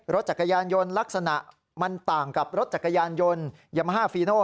รถจักรยานยนต์ลักษณะมันต่างกับรถจักรยานยนต์ยามาฮาฟีโน